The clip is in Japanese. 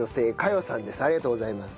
ありがとうございます。